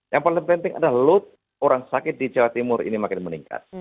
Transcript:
yang paling penting adalah load orang sakit di jawa timur ini makin meningkat